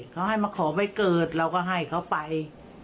เขาให้มาขอไปเกิดเราก็ให้เขาไป